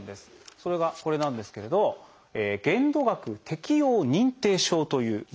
それがこれなんですけれど「限度額適用認定証」というものがあります。